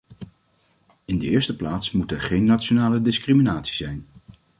In de eerste plaats moet er geen nationale discriminatie zijn.